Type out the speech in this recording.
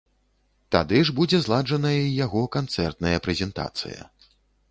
Тады ж будзе зладжаная і яго канцэртная прэзентацыя.